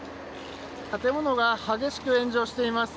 建物が激しく炎上しています。